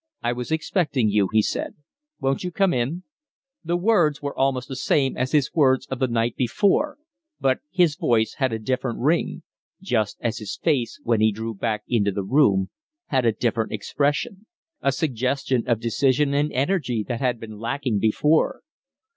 "I was expecting you," he said. "Won't you come in?" The words were almost the same as his words of the night before, but his voice had a different ring; just as his face, when he drew back into the room, had a different expression a suggestion of decision and energy that had been lacking before.